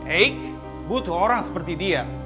eg butuh orang seperti dia